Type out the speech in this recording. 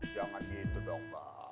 jangan gitu dong